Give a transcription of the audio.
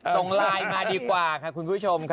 ส่งไลน์มาดีกว่าค่ะคุณผู้ชมค่ะ